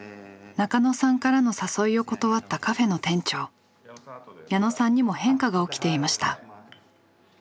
中野さんからの誘いを断ったカフェの店長矢野さんにも変化が起きていました。